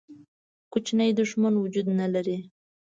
کوچنی دښمن وجود نه لري.